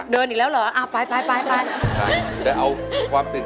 เดินอีกแล้วเหรอ